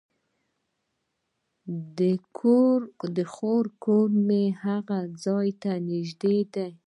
د خور کور مې هغې ځای ته نژدې دی